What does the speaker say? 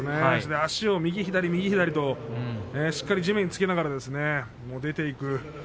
足を右左、右左としっかり地面につけながら出ていく。